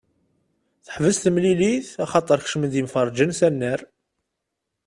Teḥbes temilit axaṭer kecmen-d yemferrĝen s annar.